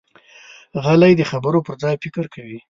غلی، د خبرو پر ځای فکر کوي.